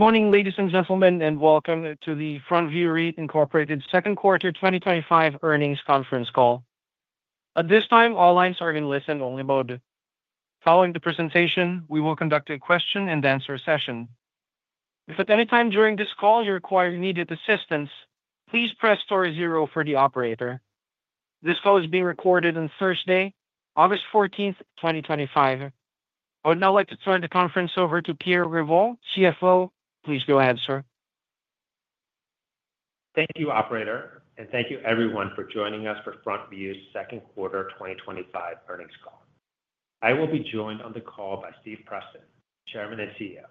Good morning, ladies and gentlemen, and welcome to the FrontView REIT Incorporated's Second Quarter 2025 Earnings Conference Call. At this time, all lines are in listen-only mode. Following the presentation, we will conduct a question and answer session. If at any time during this call you require immediate assistance, please press *0 for the operator. This call is being recorded on Thursday, August 14th, 2025. I would now like to turn the conference over to Pierre Revol, CFO. Please go ahead, sir. Thank you, operator, and thank you everyone for joining us for FrontView's Second Quarter 2025 Earnings Call. I will be joined on the call by Steve Preston, Chairman and CEO.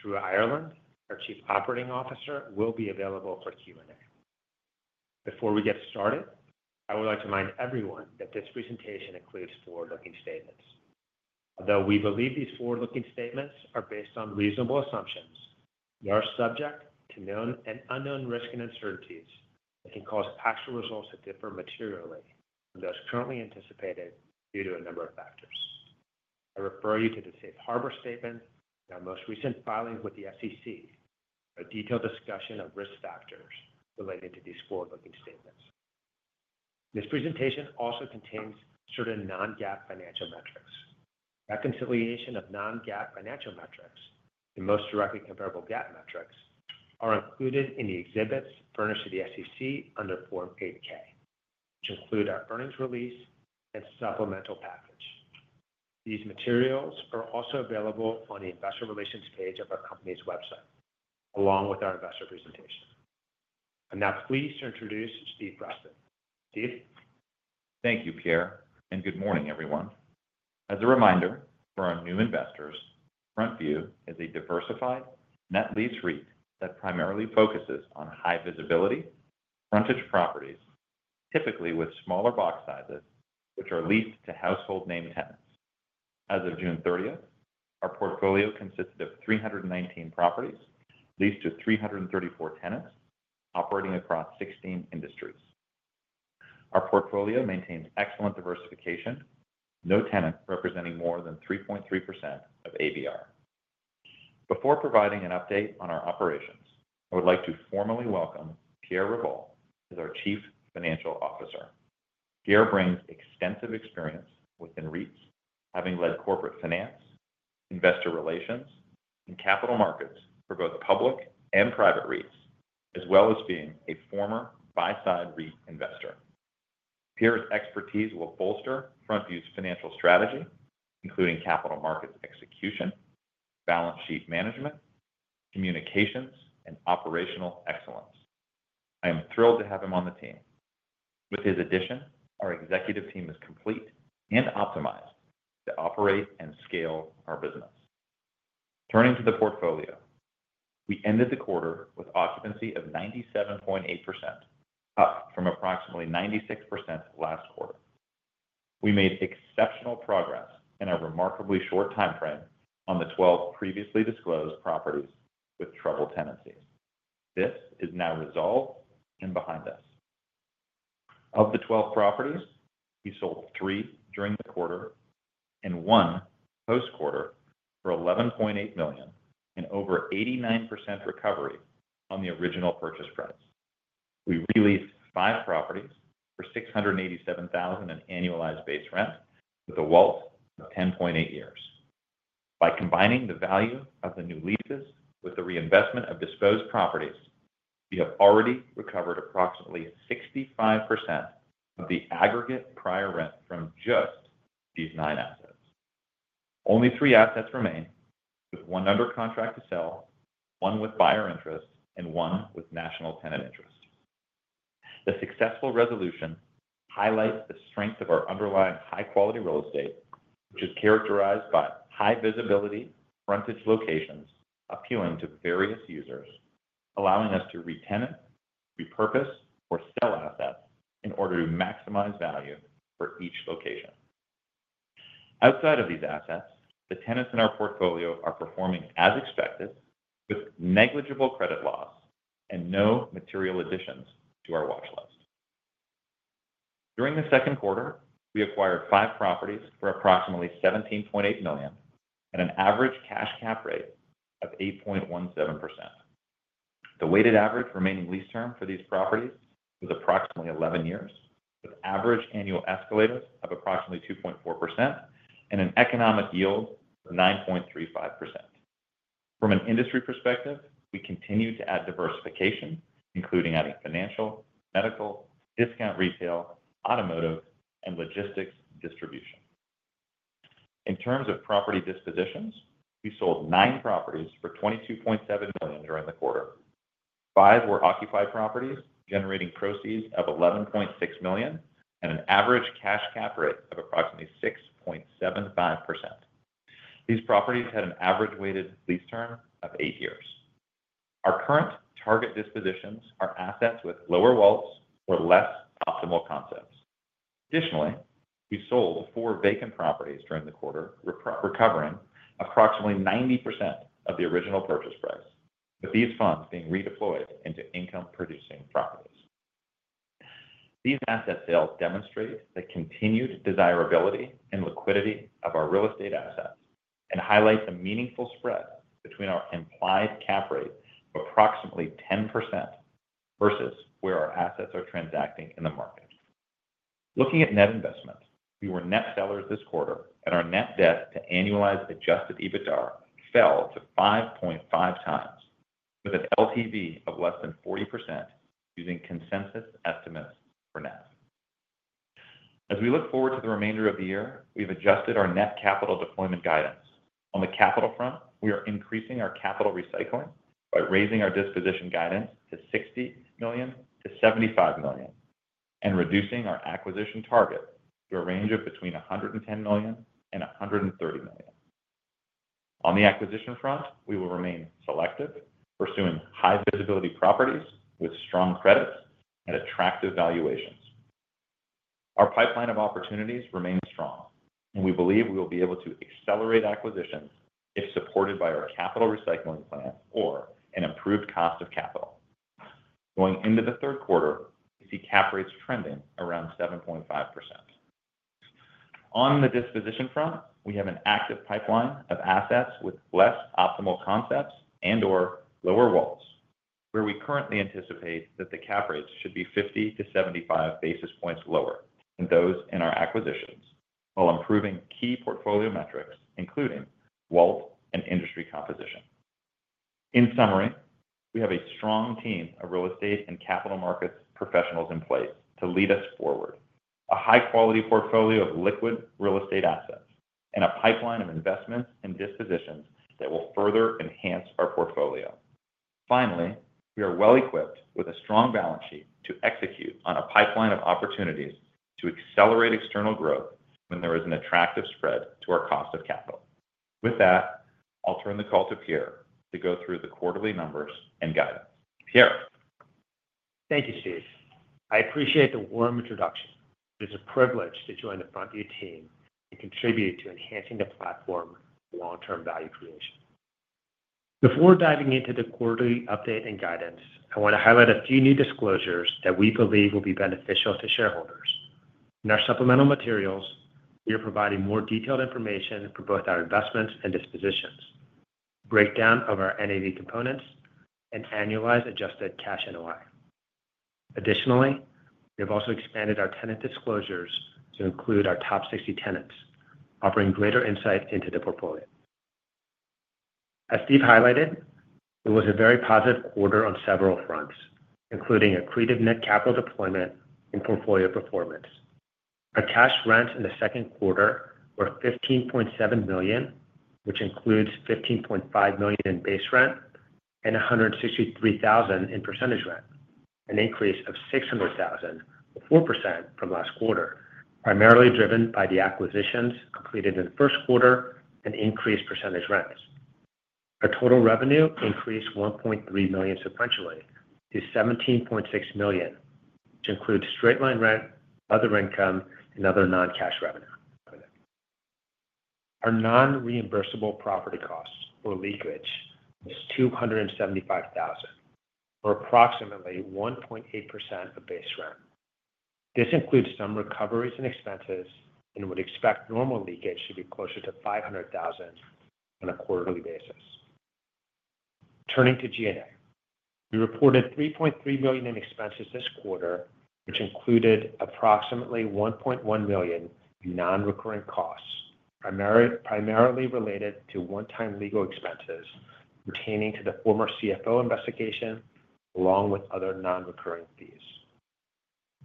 Drew Ireland, our Chief Operating Officer, will be available for Q&A. Before we get started, I would like to remind everyone that this presentation includes forward-looking statements. Although we believe these forward-looking statements are based on reasonable assumptions, they are subject to known and unknown risk and uncertainties that can cause actual results to differ materially from those currently anticipated due to a number of factors. I refer you to the Safe Harbor statement and our most recent filings with the SEC for a detailed discussion of risk factors relating to these forward-looking statements. This presentation also contains certain non-GAAP financial metrics. Reconciliation of non-GAAP financial metrics and most directly comparable GAAP metrics are included in the exhibits furnished to the SEC under Form 8-K, which include our earnings release and supplemental package. These materials are also available on the investor relations page of our company's website, along with our investor presentation. I'm now pleased to introduce Steve Preston. Steve? Thank you, Pierre, and good morning, everyone. As a reminder for our new investors, FrontView is a diversified net-lease REIT that primarily focuses on high-visibility frontage properties, typically with smaller box sizes, which are leased to household name tenants. As of June 30th, our portfolio consisted of 319 properties leased to 334 tenants operating across 16 industries. Our portfolio maintains excellent diversification, with no tenants representing more than 3.3% of ADR. Before providing an update on our operations, I would like to formally welcome Pierre Revol as our Chief Financial Officer. Pierre brings extensive experience within REITs, having led corporate finance, investor relations, and capital markets for both public and private REITs, as well as being a former buy-side REIT investor. Pierre's expertise will bolster FrontView's financial strategy, including capital markets execution, balance sheet management, communications, and operational excellence. I am thrilled to have him on the team. With his addition, our executive team is complete and optimized to operate and scale our business. Turning to the portfolio, we ended the quarter with occupancy of 97.8%, up from approximately 96% last quarter. We made exceptional progress in a remarkably short timeframe on the 12 previously disclosed properties with trouble tenancies. This is now resolved and behind us. Of the 12 properties, we sold three during the quarter and one post-quarter for $11.8 million and over 89% recovery on the original purchase price. We re-leased five properties for $687,000 in annual base rent with a weighted average lease term of 10.8 years. By combining the value of the new leases with the reinvestment of disposed properties, we have already recovered approximately 65% of the aggregate prior rent from just these nine assets. Only three assets remain, with one under contract to sell, one with buyer interest, and one with national tenant interest. The successful resolution highlights the strength of our underlying high-quality real estate, which is characterized by high-visibility frontage locations appealing to various users, allowing us to re-tenant, repurpose, or sell assets in order to maximize value for each location. Outside of these assets, the tenants in our portfolio are performing as expected, with negligible credit loss and no material additions to our watchlist. During the second quarter, we acquired five properties for approximately $17.8 million at an average cash cap rate of 8.17%. The weighted average remaining lease term for these properties was approximately 11 years, with average annual escalators of approximately 2.4% and an economic yield of 9.35%. From an industry perspective, we continue to add diversification, including adding financial, medical, discount retail, automotive, and logistics distribution. In terms of property dispositions, we sold nine properties for $22.7 million during the quarter. Five were occupied properties generating proceeds of $11.6 million at an average cash cap rate of approximately 6.75%. These properties had an average weighted lease term of eight years. Our current target dispositions are assets with lower WALTs or less optimal concepts. Additionally, we sold four vacant properties during the quarter, recovering approximately 90% of the original purchase price, with these funds being redeployed into income-producing properties. These asset sales demonstrate the continued desirability and liquidity of our real estate assets and highlight a meaningful spread between our implied cap rate of approximately 10% versus where our assets are transacting in the market. Looking at net investments, we were net sellers this quarter, and our net debt to annualized adjusted EBITDA fell to 5.5x, with an LTV of less than 40% using consensus estimates for NAC. As we look forward to the remainder of the year, we've adjusted our net capital deployment guidance. On the capital front, we are increasing our capital recycling by raising our disposition guidance to $60 million-$75 million and reducing our acquisition targets to a range of between $110 million and $130 million. On the acquisition front, we will remain selective, pursuing high-visibility properties with strong credits and attractive valuations. Our pipeline of opportunities remains strong, and we believe we will be able to accelerate acquisitions if supported by our capital recycling plan or an improved cost of capital. Going into the third quarter, we see cap rates trending around 7.5%. On the disposition front, we have an active pipeline of assets with less optimal concepts and/or lower WALTs, where we currently anticipate that the cap rates should be 50-75 basis points lower than those in our acquisitions, while improving key portfolio metrics, including WALT and industry composition. In summary, we have a strong team of real estate and capital markets professionals in place to lead us forward, a high-quality portfolio of liquid real estate assets, and a pipeline of investments and dispositions that will further enhance our portfolio. Finally, we are well equipped with a strong balance sheet to execute on a pipeline of opportunities to accelerate external growth when there is an attractive spread to our cost of capital. With that, I'll turn the call to Pierre to go through the quarterly numbers and guidance. Pierre. Thank you, Steve. I appreciate the warm introduction. It is a privilege to join the FrontView team and contribute to enhancing the platform's long-term value creation. Before diving into the quarterly update and guidance, I want to highlight a few new disclosures that we believe will be beneficial to shareholders. In our supplemental materials, we are providing more detailed information for both our investments and dispositions, a breakdown of our NAV components, and annualized adjusted cash NOI. Additionally, we have also expanded our tenant disclosures to include our top 60 tenants, offering greater insight into the portfolio. As Steve highlighted, it was a very positive quarter on several fronts, including a creative net capital deployment and portfolio performance. Our cash rents in the second quarter were $15.7 million, which includes $15.5 million in base rent and $163,000 in percentage rent, an increase of $600,000, 4% from last quarter, primarily driven by the acquisitions completed in the first quarter and increased percentage rent. Our total revenue increased $1.3 million sequentially to $17.6 million, which includes straight line rent, other income, and other non-cash revenue. Our non-reimbursable property costs or leakage was $275,000, or approximately 1.8% of base rent. This includes some recoveries and expenses and would expect normal leakage to be closer to $500,000 on a quarterly basis. Turning to G&A, we reported $3.3 million in expenses this quarter, which included approximately $1.1 million in non-recurring costs, primarily related to one-time legal expenses pertaining to the former CFO investigation, along with other non-recurring fees.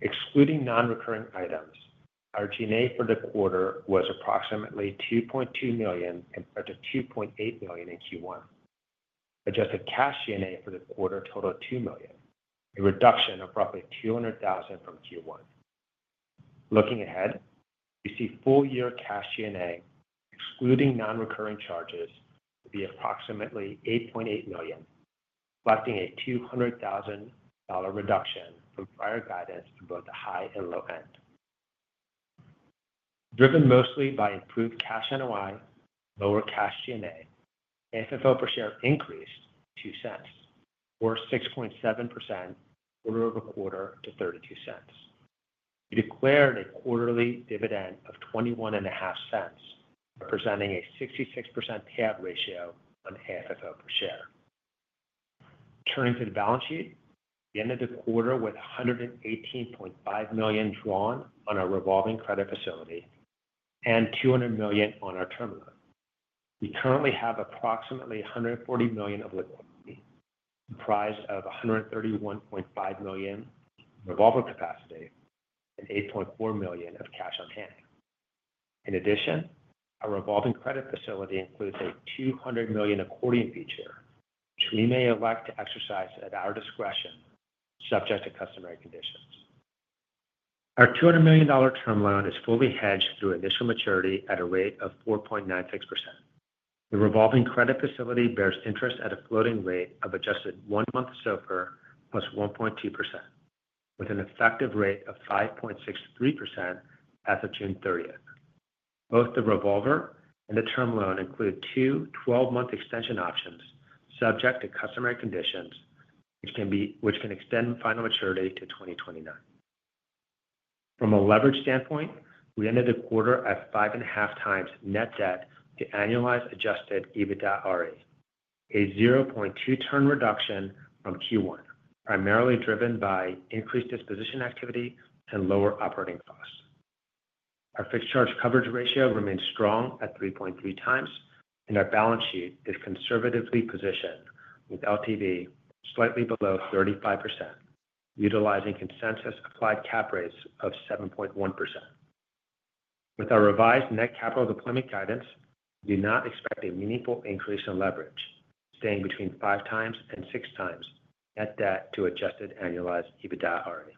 Excluding non-recurring items, our G&A for the quarter was approximately $2.2 million compared to $2.8 million in Q1. Adjusted cash G&A for the quarter totaled $2 million, a reduction of roughly $200,000 from Q1. Looking ahead, we see full-year cash G&A, excluding non-recurring charges, would be approximately $8.8 million, reflecting a $0.2 million reduction from prior guidance in both the high and low end. Driven mostly by improved cash NOI, lower cash G&A, AFFO per share increased $0.02, or 6.7% quarter-over-quarter to $0.32. We declared a quarterly dividend of [$21.50], representing a 66% payout ratio on AFFO per share. Turning to the balance sheet, we ended the quarter with $118.5 million drawn on our revolving credit facility and $200 million on our term loan. We currently have approximately $140 million of liquidity, comprised of $131.5 million in revolver capacity and $8.4 million of cash on hand. In addition, our revolving credit facility includes a $200 million accordion feature we may elect to exercise at our discretion, subject to customary conditions. Our $200 million term loan is fully hedged through initial maturity at a rate of 4.96%. The revolving credit facility bears interest at a floating rate of adjusted one-month SOFR plus 1.2%, with an effective rate of 5.63% as of June 30th. Both the revolver and the term loan include two 12-month extension options subject to customary conditions, which can extend final maturity to 2029. From a leverage standpoint, we ended the quarter at 5.5x net debt to annualized adjusted EBITDA RE, a 0.2% term reduction from Q1, primarily driven by increased disposition activity and lower operating costs. Our fixed charge coverage ratio remains strong at 3.3x, and our balance sheet is conservatively positioned with LTV slightly below 35%, utilizing consensus applied cap rates of 7.1%. With our revised net capital deployment guidance, we do not expect a meaningful increase in leverage, staying between 5x and 6x net debt to adjusted annualized EBITDA RE.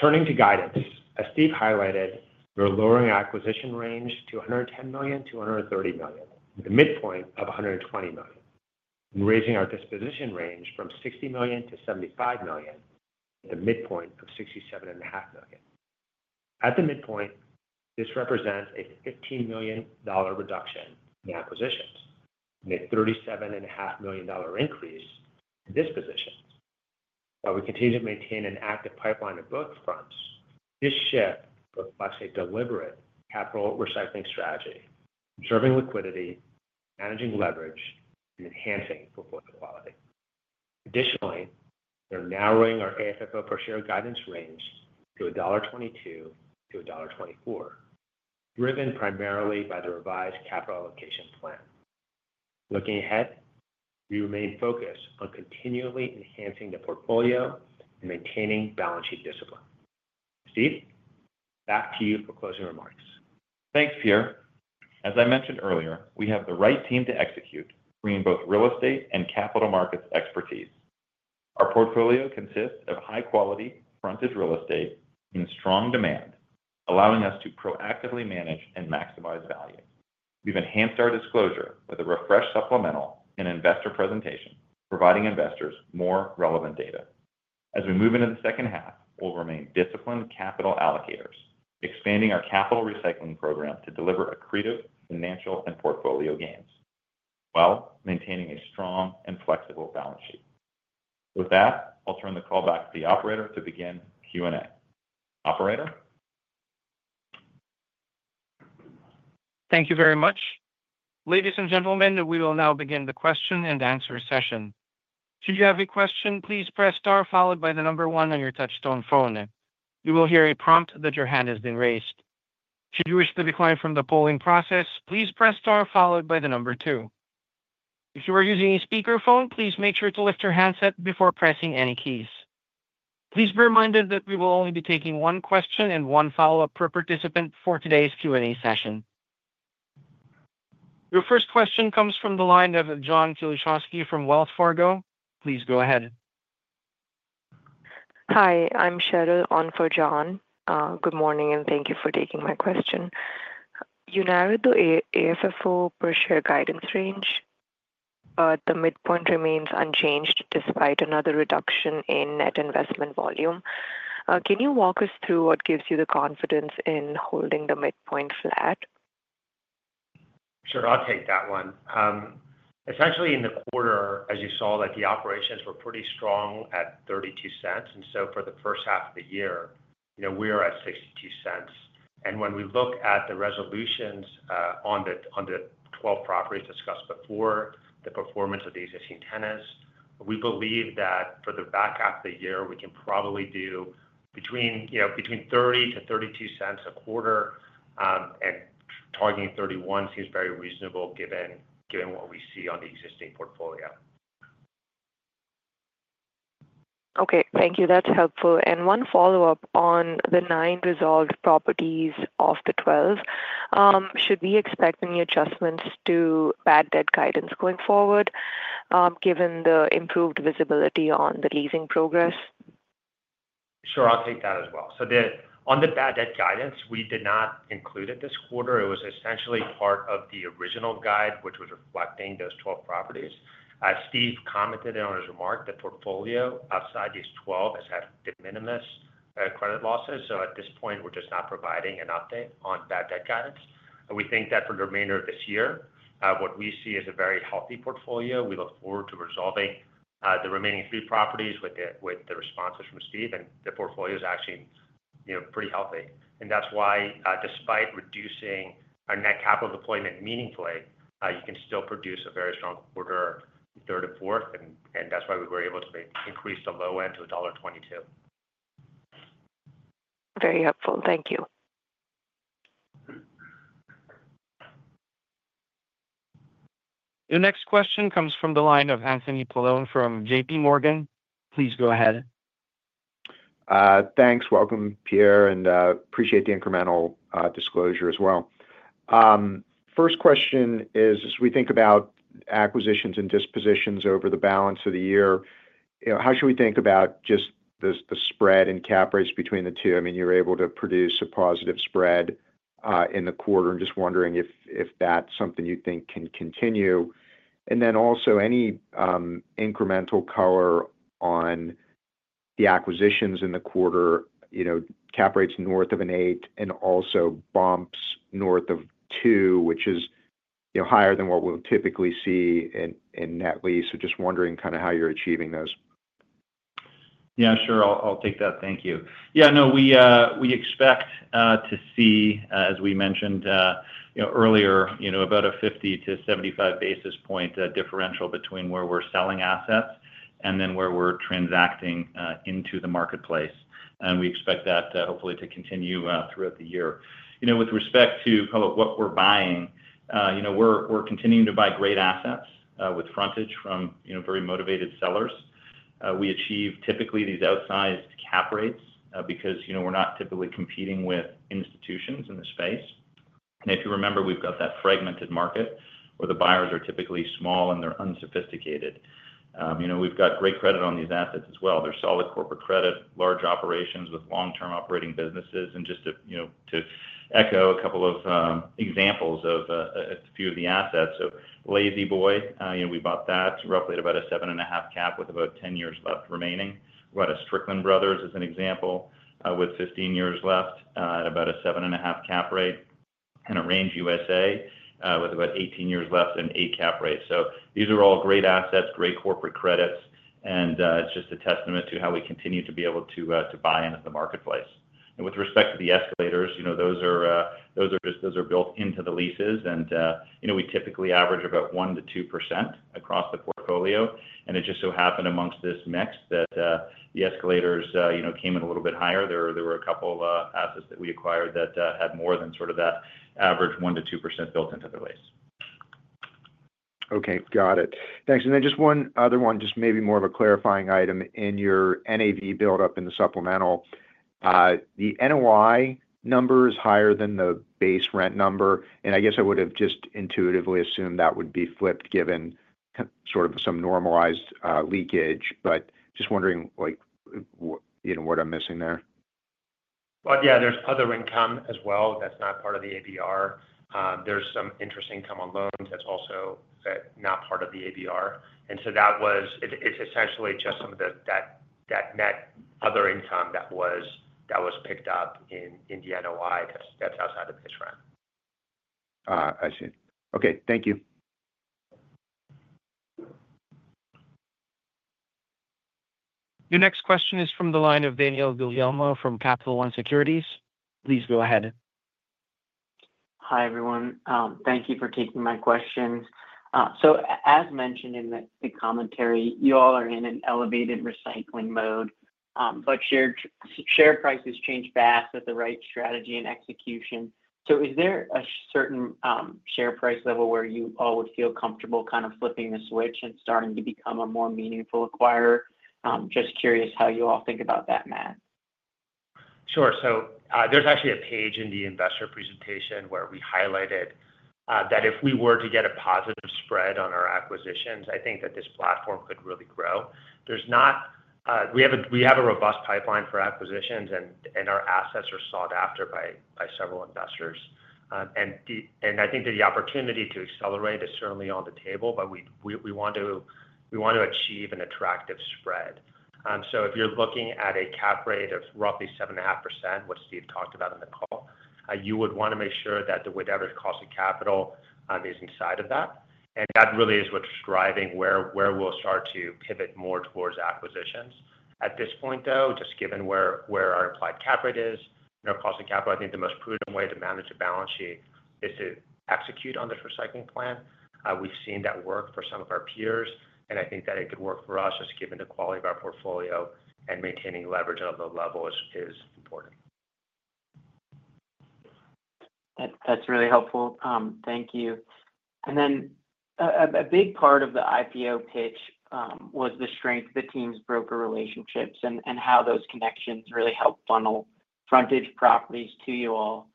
Turning to guidance, as Steve highlighted, we are lowering our acquisition range to $110 million to $130 million, with a midpoint of $120 million, and raising our disposition range from $60 million to $75 million, with a midpoint of $67.5 million. At the midpoint, this represents a $15 million reduction in acquisitions and a $37.5 million increase in dispositions. While we continue to maintain an active pipeline of both fronts, this shift reflects a deliberate capital recycling strategy, preserving liquidity, managing leverage, and enhancing portfolio quality. Additionally, we are narrowing our AFFO per share guidance range to $1.22 to $1.24, driven primarily by the revised capital allocation plan. Looking ahead, we remain focused on continually enhancing the portfolio and maintaining balance sheet discipline. Steve, back to you for closing remarks. Thanks, Pierre. As I mentioned earlier, we have the right team to execute, bringing both real estate and capital markets expertise. Our portfolio consists of high-quality frontage real estate in strong demand, allowing us to proactively manage and maximize value. We've enhanced our disclosure with a refreshed supplemental and investor presentation, providing investors more relevant data. As we move into the second half, we'll remain disciplined capital allocators, expanding our capital recycling program to deliver accretive financial and portfolio gains, while maintaining a strong and flexible balance sheet. With that, I'll turn the call back to the operator to begin Q&A. Operator? Thank you very much. Ladies and gentlemen, we will now begin the question and answer session. Should you have a question, please press * followed by the number one on your touch-tone phone. You will hear a prompt that your hand has been raised. Should you wish to decline from the polling process, please press * followed by the number two. If you are using a speaker phone, please make sure to lift your handset before pressing any keys. Please be reminded that we will only be taking one question and one follow-up per participant for today's Q&A session. Your first question comes from the line of John Kilichowski from Wells Fargo. Please go ahead. Hi, I'm [Cheryl] on for John. Good morning, and thank you for taking my question. You narrowed the AFFO per share guidance range, but the midpoint remains unchanged despite another reduction in net investment volume. Can you walk us through what gives you the confidence in holding the midpoint flat? Sure, I'll take that one. Essentially, in the quarter, as you saw, the operations were pretty strong at $0.32, and for the first half of the year, we are at $0.62. When we look at the resolutions on the 12 properties discussed before, the performance of the existing tenants, we believe that for the back half of the year, we can probably do between $0.30-$0.32 a quarter. Targeting $0.31 seems very reasonable given what we see on the existing portfolio. Okay, thank you. That's helpful. One follow-up on the nine resolved properties off the 12. Should we expect any adjustments to bad debt guidance going forward, given the improved visibility on the leasing progress? I'll take that as well. On the bad debt guidance, we did not include it this quarter. It was essentially part of the original guide, which was reflecting those 12 properties. As Steve commented in his remark, the portfolio outside these 12 has had de minimis credit losses. At this point, we're just not providing an update on bad debt guidance. We think that for the remainder of this year, what we see is a very healthy portfolio. We look forward to resolving the remaining three properties with the responses from Steve, and the portfolio is actually pretty healthy. That's why, despite reducing our net capital deployment meaningfully, you can still produce a very strong quarter third and fourth, and that's why we were able to increase the low end to $1.22. Very helpful. Thank you. Your next question comes from the line of Anthony Polon from JPMorgan. Please go ahead. Thanks. Welcome, Pierre, and I appreciate the incremental disclosure as well. First question is, as we think about acquisitions and dispositions over the balance of the year, how should we think about just the spread and cap rates between the two? You were able to produce a positive spread in the quarter, and just wondering if that's something you think can continue. Also, any incremental color on the acquisitions in the quarter, cap rates north of 8% and also bumps north of 2%, which is higher than what we'll typically see in net-lease. Just wondering kind of how you're achieving those. Yeah, sure, I'll take that. Thank you. We expect to see, as we mentioned earlier, about a 50-75 basis point differential between where we're selling assets and where we're transacting into the marketplace. We expect that hopefully to continue throughout the year. With respect to what we're buying, we're continuing to buy great assets with frontage from very motivated sellers. We achieve typically these outsized cap rates because we're not typically competing with institutions in the space. If you remember, we've got that fragmented market where the buyers are typically small and they're unsophisticated. We've got great credit on these assets as well. They're solid corporate credit, large operations with long-term operating businesses. Just to echo a couple of examples of a few of the assets: LA-Z-Boy, we bought that roughly at about a 7.5% cap with about 10 years left remaining. We bought a Strickland Brothers as an example with 15 years left at about a 7.5% cap rate and a [Range USA] with about 18 years left and an 8% cap rate. These are all great assets, great corporate credits, and it's just a testament to how we continue to be able to buy in at the marketplace. With respect to the escalators, those are built into the leases, and we typically average about 1%-2% across the portfolio. It just so happened amongst this mix that the escalators came in a little bit higher. There were a couple of assets that we acquired that had more than that average 1%-2% built into the lease. Okay, got it. Thanks. Just one other one, maybe more of a clarifying item in your NAV buildup in the supplemental. The NOI number is higher than the base rent number, and I guess I would have just intuitively assumed that would be flipped given sort of some normalized leakage, but just wondering, like, you know, what I'm missing there. There is other income as well that's not part of the annual base rent. There's some interest income on loans that's also not part of the ADR. It is essentially just some of that net other income that was picked up in the NOI that stepped outside of base rent. I see. Okay, thank you. Your next question is from the line of Daniel Guglielmo from Capital One Securities. Please go ahead. Hi everyone. Thank you for taking my questions. As mentioned in the commentary, you all are in an elevated recycling mode, but share prices change fast at the right strategy and execution. Is there a certain share price level where you all would feel comfortable kind of flipping the switch and starting to become a more meaningful acquirer? Just curious how you all think about that mat. Sure. There's actually a page in the investor presentation where we highlighted that if we were to get a positive spread on our acquisitions, I think that this platform could really grow. We have a robust pipeline for acquisitions, and our assets are sought after by several investors. I think that the opportunity to accelerate is certainly on the table, but we want to achieve an attractive spread. If you're looking at a cap rate of roughly 7.5%, what Steve talked about in the call, you would want to make sure that the cost of capital is inside of that. That really is what's driving where we'll start to pivot more towards acquisitions. At this point, just given where our applied cap rate is and our cost of capital, I think the most prudent way to manage a balance sheet is to execute on this recycling plan. We've seen that work for some of our peers, and I think that it could work for us just given the quality of our portfolio and maintaining leverage on a low level is important. That's really helpful. Thank you. A big part of the IPO pitch was the strength of the team's broker relationships and how those connections really help funnel frontage properties to you all.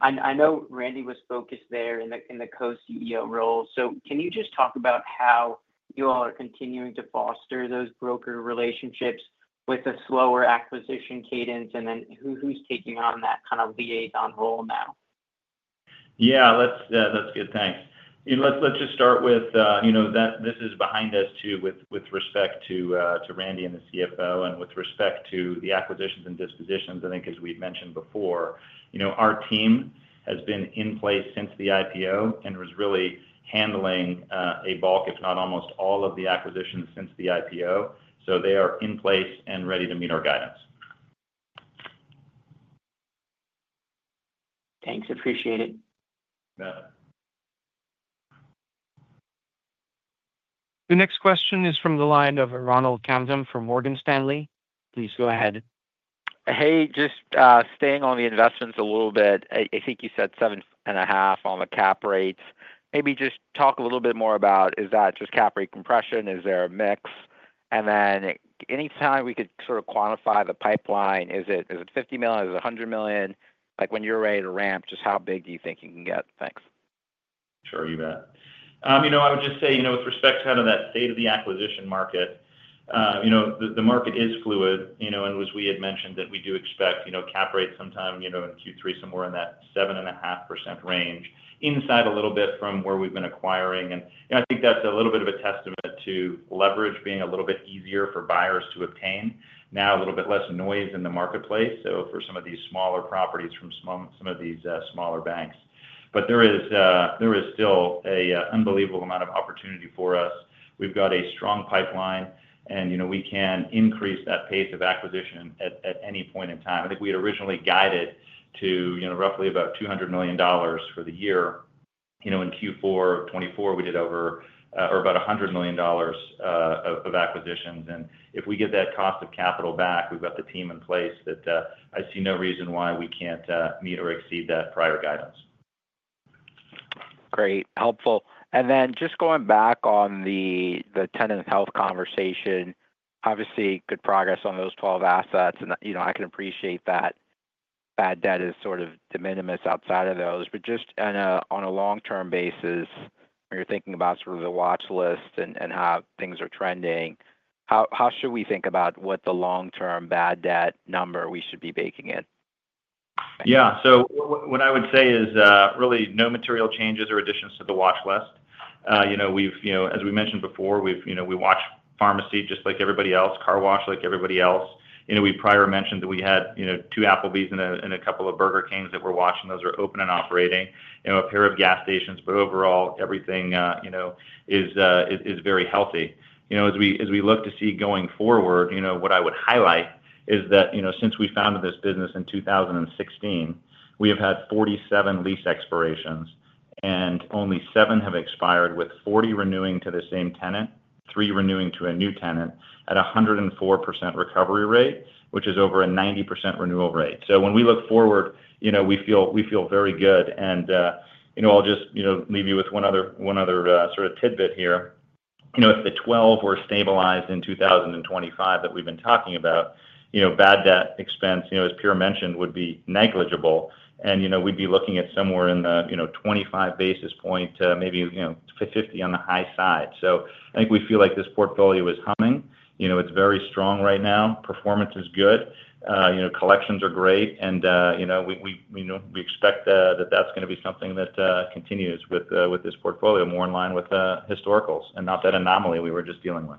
I know Randy was focused there in the Co-CEO role. Can you just talk about how you all are continuing to foster those broker relationships with a slower acquisition cadence and then who's taking on that kind of liaison role now? Yeah, that's good. Thanks. Let's just start with, you know, that this is behind us too with respect to Randy and the CFO and with respect to the acquisitions and dispositions. I think as we've mentioned before, our team has been in place since the IPO and was really handling a bulk, if not almost all, of the acquisitions since the IPO. They are in place and ready to meet our guidance. Thanks. Appreciate it. The next question is from the line of Ronald Kamdem from Morgan Stanley. Please go ahead. Hey, just staying on the investments a little bit. I think you said 7.5% on the cap rates. Maybe just talk a little bit more about, is that just cap rate compression? Is there a mix? Anytime we could sort of quantify the pipeline, is it $50 million? Is it $100 million? Like when you're ready to ramp, just how big do you think you can get? Thanks. Sure, you bet. I would just say, with respect to that state of the acquisition market, the market is fluid, and as we had mentioned, we do expect cap rates sometime in Q3 somewhere in that 7.5% range, inside a little bit from where we've been acquiring. I think that's a little bit of a testament to leverage being a little bit easier for buyers to obtain, now a little bit less noise in the marketplace for some of these smaller properties from some of these smaller banks. There is still an unbelievable amount of opportunity for us. We've got a strong pipeline, and we can increase that pace of acquisition at any point in time. I think we had originally guided to roughly about $200 million for the year. In Q4 of 2024, we did over or about $100 million of acquisitions. If we get that cost of capital back, we've got the team in place that I see no reason why we can't meet or exceed that prior guidance. Great, helpful. Just going back on the tenant health conversation, obviously good progress on those 12 assets. I can appreciate that bad debt is sort of de minimis outside of those. On a long-term basis, when you're thinking about the watchlist and how things are trending, how should we think about what the long-term bad debt number we should be baking in? Yeah, so what I would say is really no material changes or additions to the watchlist. We've, as we mentioned before, we watch pharmacy just like everybody else, car wash like everybody else. We prior mentioned that we had two Applebee's and a couple of Burger Kings that we're watching. Those are open and operating, a pair of gas stations, but overall everything is very healthy. As we look to see going forward, what I would highlight is that since we founded this business in 2016, we have had 47 lease expirations and only seven have expired, with 40 renewing to the same tenant, three renewing to a new tenant at a 104% recovery rate, which is over a 90% renewal rate. When we look forward, we feel very good. I'll just leave you with one other sort of tidbit here. If the 12 were stabilized in 2025 that we've been talking about, bad debt expense, as Pierre mentioned, would be negligible. We'd be looking at somewhere in the 25 basis point to maybe 50 on the high side. I think we feel like this portfolio is humming. It's very strong right now. Performance is good. Collections are great. We expect that that's going to be something that continues with this portfolio, more in line with the historicals and not that anomaly we were just dealing with.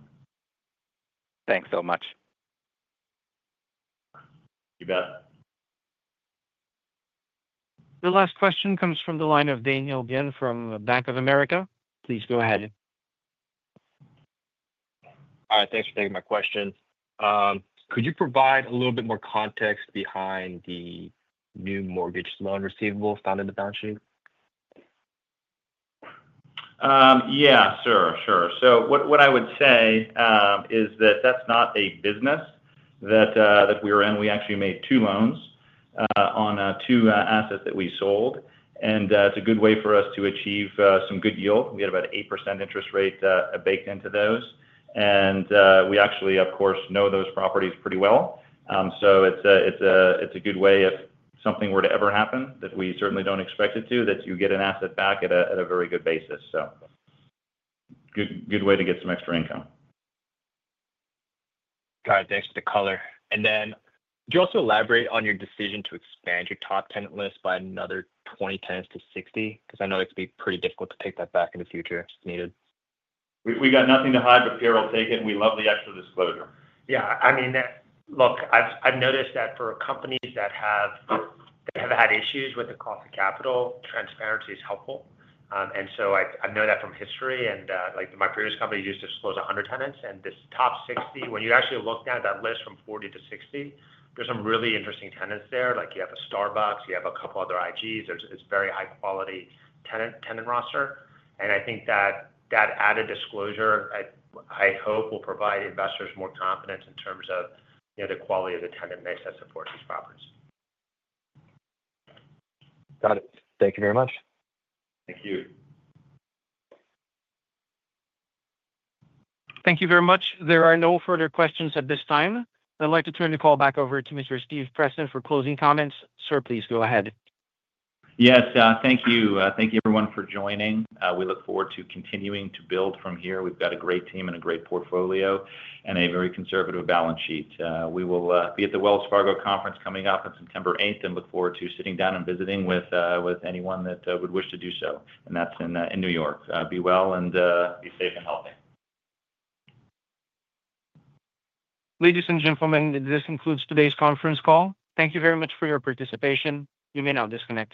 Thanks so much. You bet. The last question comes from the line of Daniel Glyn from Bank of America. Please go ahead. All right, thanks for taking my question. Could you provide a little bit more context behind the new mortgage loan receivables found in the balance sheet? Sure. What I would say is that that's not a business that we were in. We actually made two loans on two assets that we sold. It's a good way for us to achieve some good yield. We had about an 8% interest rate baked into those. We actually, of course, know those properties pretty well. It's a good way if something were to ever happen that we certainly don't expect it to, that you get an asset back at a very good basis. It's a good way to get some extra income. Got it. Thanks for the color. Could you also elaborate on your decision to expand your top tenant list by another 20 tenants to 60? I know it could be pretty difficult to take that back in the future if needed. We've got nothing to hide, Pierre, I'll take it. We love the extra disclosure. Yeah, I mean, look, I've noticed that for companies that have had issues with the cost of capital, transparency is helpful. I know that from history. Like my previous company used to disclose 100 tenants. This top 60, when you actually look down that list from 40-60, there's some really interesting tenants there. You have a Starbucks, you have a couple other IGs. It's a very high-quality tenant roster. I think that that added disclosure, I hope, will provide investors more confidence in terms of the quality of the tenant mix that supports these properties. Got it. Thank you very much. Thank you. Thank you very much. There are no further questions at this time. I'd like to turn the call back over to Mr. Steve Preston for closing comments. Sir, please go ahead. Yes, thank you. Thank you, everyone, for joining. We look forward to continuing to build from here. We've got a great team and a great portfolio and a very conservative balance sheet. We will be at the Wells Fargo conference coming up on September 8 and look forward to sitting down and visiting with anyone that would wish to do so. That is in New York. Be well and be safe and healthy. Ladies and gentlemen, this concludes today's conference call. Thank you very much for your participation. You may now disconnect.